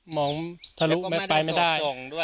มองทะลุไปไม่ได้